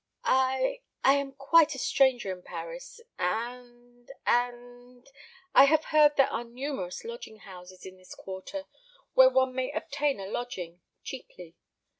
"I I am quite a stranger in Paris, and and I have heard there are numerous lodging houses in this quarter where one may obtain a lodging cheaply.